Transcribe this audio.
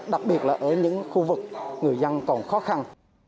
đặc biệt là ở những khu vực người dân còn khó khăn